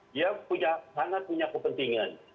dia sangat punya kepentingan